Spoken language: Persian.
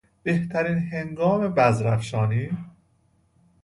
بهترین هنگام بذر افشانی